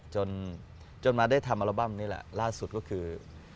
จนจนมาได้ทำอัลบั้มนี่แหละล่าสุดก็คือ